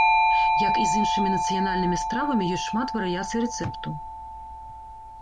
Як і з іншымі нацыянальнымі стравамі, ёсць шмат варыяцый рэцэпту.